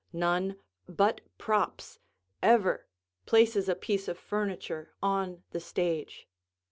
None but props ever places a piece of furniture on the stage.